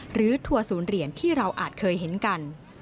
ทัวร์ศูนย์เหรียญที่เราอาจเคยเห็นกัน